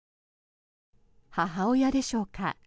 母親でしょうか。